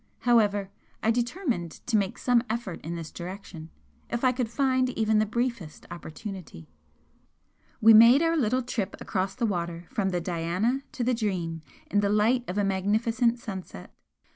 However, I determined to make some effort in this direction, if I could find even the briefest opportunity. We made our little trip across the water from the 'Diana' to the 'Dream' in the light of a magnificent sunset.